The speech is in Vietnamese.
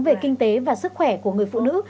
về kinh tế và sức khỏe của người phụ nữ